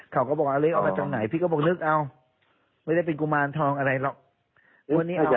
เขาก็บอกว่าเลขเอามาจากไหนพี่ก็บอกนึกเอาไม่ได้เป็นกุมารทองอะไรหรอก